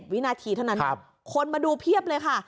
วินาทีเท่านั้นคนมาดูเพียบเลยค่ะ